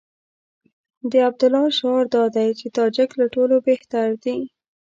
د عبدالله شعار دا دی چې تاجک له ټولو بهتر دي.